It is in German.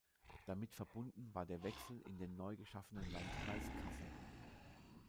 Damit verbunden war der Wechsel in den neu geschaffenen Landkreis Kassel.